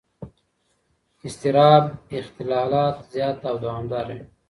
اضطراب اختلالات زیات او دوامداره وي.